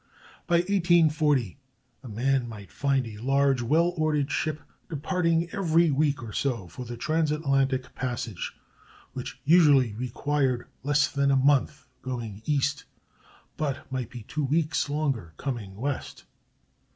By 1840 a man might find a large, well ordered ship departing every week or so for the transatlantic passage, which usually required less than a month going east, but might be two weeks longer coming west.